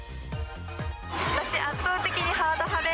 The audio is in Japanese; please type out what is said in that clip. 私、圧倒的にハード派で。